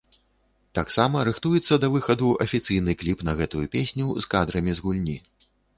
Таксама рыхтуецца да выхаду афіцыйны кліп на гэтую песню з кадрамі з гульні.